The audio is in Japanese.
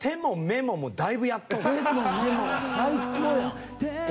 「テモメモ」は最高やん。